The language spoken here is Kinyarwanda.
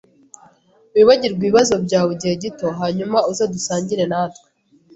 Wibagirwe ibibazo byawe igihe gito hanyuma uze dusangire natwe.